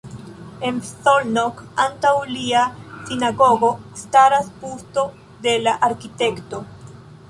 En Szolnok antaŭ lia sinagogo staras busto de la arkitekto.